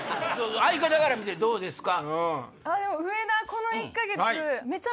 相方から見てどうですか？